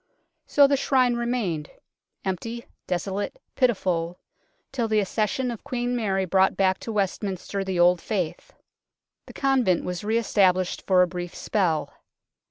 So the Shrine remained empty, desolate, pitiful till the accession of Queen Mary brought back to Westminster the old faith. The convent was re established for a brief spell.